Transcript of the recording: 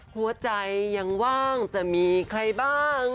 หัวใจยังว่างจะมีใครบ้าง